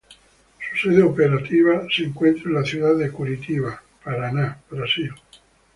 Su sede operativa se encuentra en la ciudad de Curitiba, Paraná, Brasil.